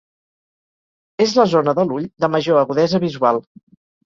És la zona de l'ull de major agudesa visual.